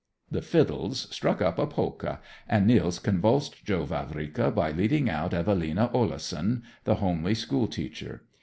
The fiddles struck up a polka, and Nils convulsed Joe Vavrika by leading out Evelina Oleson, the homely school teacher.